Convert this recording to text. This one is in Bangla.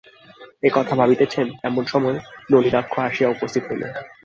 এ কথা ভাবিতেছেন, এমন-সময় নলিনাক্ষ আসিয়া উপস্থিত হইল।